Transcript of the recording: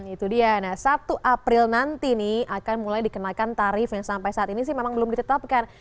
itu dia satu april nanti akan mulai dikenalkan tarif yang sampai saat ini memang belum ditetapkan